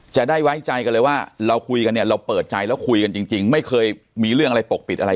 จะได้ไว้ใจกันเลยว่าเราคุยกันเนี่ยเราเปิดใจแล้วคุยกันจริงไม่เคยมีเรื่องอะไรปกปิดอะไร